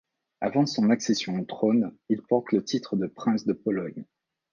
Avant son accession au trône, il porte le titre de prince de Pologne.